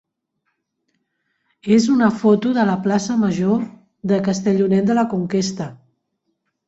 és una foto de la plaça major de Castellonet de la Conquesta.